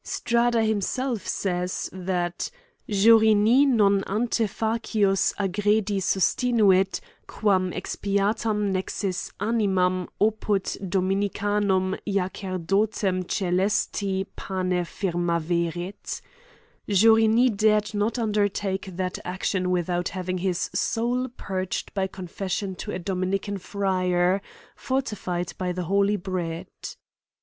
Strada himself says, that " Jaurigni non ante facinus aggredi sustinuk quam expiatam nexis animam apuddominicanumjacerdotem ctslestipane firmaverit. Jaurigni dared not undertake that action without having his soul, purged by con fession to a dominican friar, fortified by the holy bread."